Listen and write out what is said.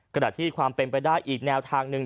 กระดาษที่ความเป็นไปได้อีกแนวทางนึง